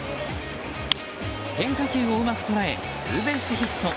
変化球をうまく捉えツーベースヒット。